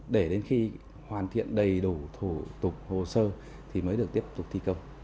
để đến khi hoàn thiện đầy đủ thủ tục hồ sơ thì mới được tiếp tục thi công